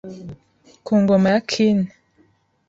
Ku ngoma ya Qin